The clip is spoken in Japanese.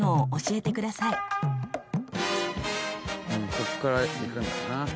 こっから行くんだな。